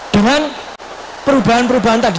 dengan perubahan perubahan tadi